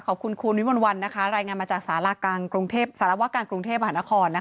ขอบคุณคุณวิมวันวันนะคะรายงานมาจากสารวาการกรุงเทพฯมหานคร